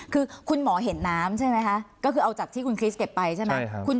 คือคุณหมอเห็นน้ำใช่ไหมคะก็คือเอาจากที่คุณคริสเก็บไปใช่ไหม